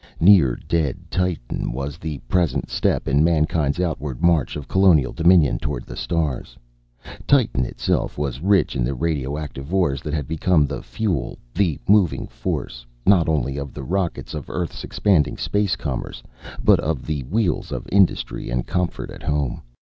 Near dead Titan was the present step in mankind's outward march of colonial dominion toward the stars. Titan itself was rich in the radioactive ores that has become the fuel, the moving force, not only of the rockets of Earth's expanding space commerce, but of the wheels of industry and comfort at home.